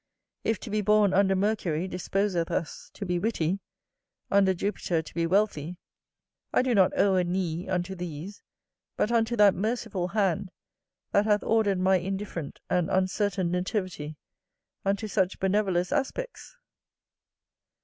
If to be born under Mercury disposeth us to be witty; under Jupiter to be wealthy; I do not owe a knee unto these, but unto that merciful hand that hath ordered my indifferent and uncertain nativity unto such benevolous aspects.